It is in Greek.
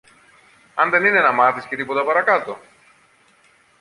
αν δεν είναι να μάθεις και τίποτα παρακάτω;